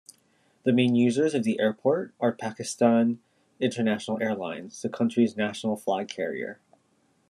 The main users of the airport are Pakistan International Airlines, the country's national flag-carrier.